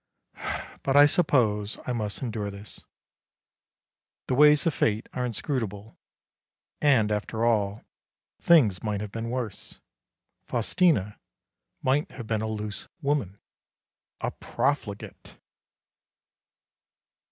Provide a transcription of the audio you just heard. But I suppose I must endure this. The ways of Fate are inscrutable, and after all, things might have been worse. Faustina might have been a loose woman! A profligate!